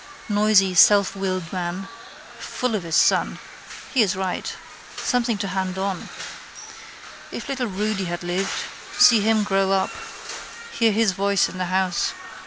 Noisy selfwilled man. Full of his son. He is right. Something to hand on. If little Rudy had lived. See him grow up. Hear his voice in the house.